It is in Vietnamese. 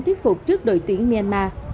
tuyết phục trước đội tuyển myanmar